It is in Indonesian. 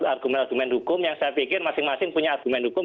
argumen argumen hukum yang saya pikir masing masing punya argumen hukum